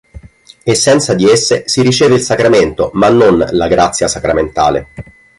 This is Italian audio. E senza di esse si riceve il sacramento, ma non la grazia sacramentale.